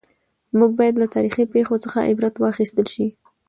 موږ باید له تاریخي پېښو څخه عبرت واخیستل شي.